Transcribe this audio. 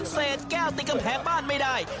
เศษแก้วติดกำแพงบ้านไม่ได้